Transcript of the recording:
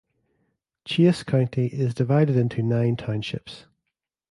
Chase County is divided into nine townships.